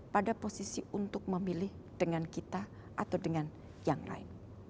pada posisi untuk memilih dengan kita atau dengan yang lain